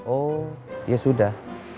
oh ya sudah